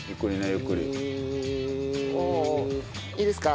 いいですか？